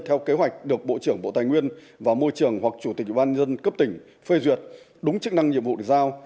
theo kế hoạch được bộ trưởng bộ tài nguyên và môi trường hoặc chủ tịch ubnd cấp tỉnh phê duyệt đúng chức năng nhiệm vụ được giao